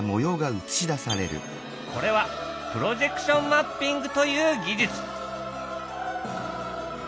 これはプロジェクションマッピングという技術。